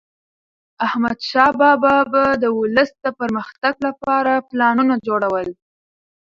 احمدشاه بابا به د ولس د پرمختګ لپاره پلانونه جوړول.